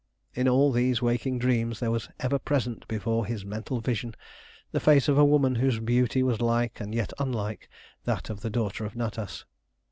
In all these waking dreams there was ever present before his mental vision the face of a woman whose beauty was like and yet unlike that of the daughter of Natas.